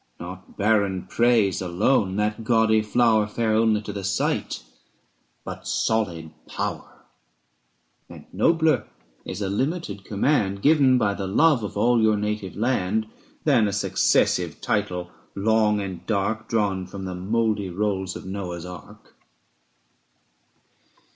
Not barren praise alone, that gaudy flower, Fair only to the sight, but solid power; And nobler is a limited command, Given by the love of all your native land, 300 Than a successive title, long and dark, Drawn from the mouldy rolls of Noah's ark.'